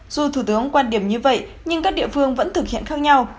dù thủ tướng quan điểm như vậy nhưng các địa phương vẫn thực hiện khác nhau